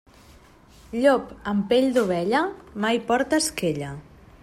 Llop amb pell d'ovella, mai porta esquella.